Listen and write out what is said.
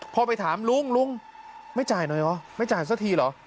พอไปถามลุงลุงไม่จ่ายหน่อยเหรอไม่จ่ายสักทีเหรอ